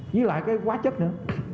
với lại cái quá chất nữa